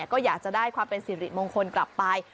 ก็อยากจะได้ความเป็นสิริมงคลกลับไป